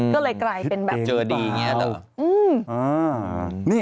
ก็เลยกลายเป็นแบบพิษเองเปล่าจนเจอดีอย่างนี้ล่ะ